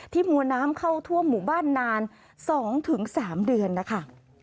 ที่มัวน้ำเข้าทั่วหมู่บ้านนานสองถึงสามเดือนนะค่ะ